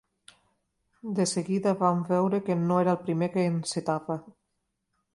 De seguida vam veure que no era el primer que encetava.